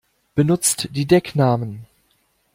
Benutzt die Decknamen!